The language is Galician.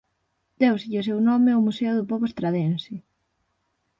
Déuselle o seu nome ao Museo do Pobo Estradense.